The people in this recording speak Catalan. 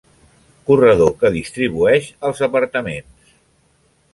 Corredor que distribueix als apartaments.